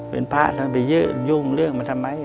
โดยยึ่งเรื่องทำไม